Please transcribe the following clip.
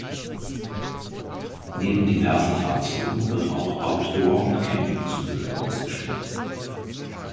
Neben diversen Fahrzeugen wird auch Outdoor- und Campingzubehör ausgestellt.